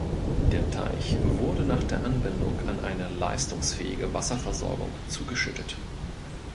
Der Teich wurde nach der Anbindung an eine leistungsfähige Wasserversorgung zugeschüttet.